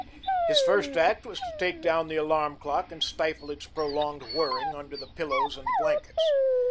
His first act was to take down the alarm clock and stifle its prolonged whirring under the pillows and blankets.